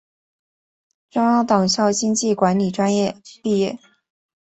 中央党校经济管理专业毕业。